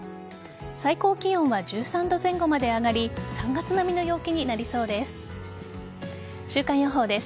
最高気温は１３度前後まで上がり３月並みの陽気になりそうです。